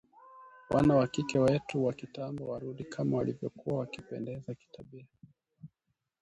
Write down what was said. wana wa kike wetu wa kitambo warudi kama walivyokuwa wakipendeza kitabia